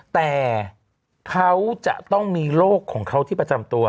แต่เขาจะต้องมีโรคของเขาที่ประจำตัว